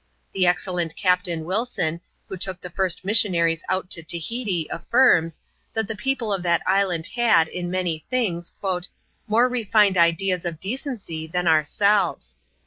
The excellent Captain Wilson, who took the first missionaries out to Tahiti, affirms, that the people of that island had, in many things, " more refined ideas of decency than ourselves.